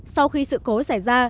sau khi sự cố xảy ra